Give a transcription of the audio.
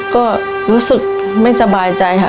ก็รู้สึกไม่สบายใจค่ะ